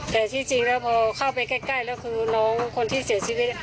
แต่ที่จริงแล้วพอเข้าไปใกล้แล้วคือน้องคนที่เสียชีวิต